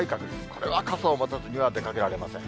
これは傘を持たずには出かけられません。